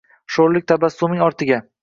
shoʼrlik tabassuming ortiga